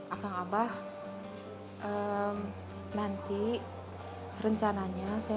akang abah nanti rencananya